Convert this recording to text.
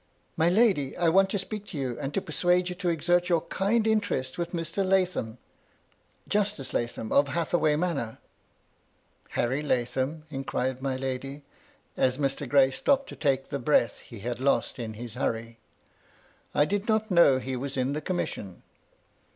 " My lady, 1 want to speak to you, and to persuade you to exert your kind interest, with Mr. Lathom — Justice Lathom of Hathaway Manor —"" Harry Lathom ?" inquired my lady, — as Mr. Gray stopped to take the breath he had lost in his hurry, —" I did not know he was in the commission."